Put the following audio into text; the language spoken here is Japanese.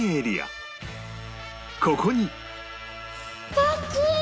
ここに